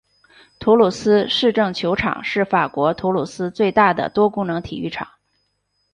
土鲁斯市政球场是法国土鲁斯最大的多功能体育场。